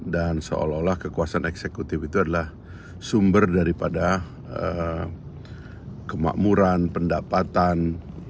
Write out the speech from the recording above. dan seolah olah kekuasaan eksekutif itu adalah sumber daripada kemakmuran pendapatan